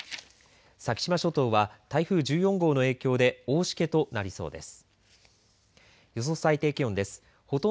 先島諸島は台風１４号の影響で大しけとなりそうです。